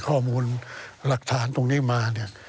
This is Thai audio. ข้อมูลหลักฐานตรงนี้มาเนี่ย